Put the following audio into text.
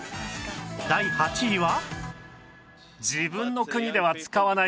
第８位は